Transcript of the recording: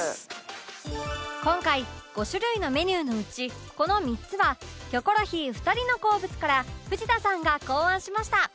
今回５種類のメニューのうちこの３つはキョコロヒー２人の好物から藤田さんが考案しました